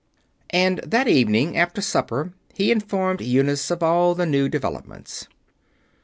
And that evening, after supper, he informed Eunice of all the new developments.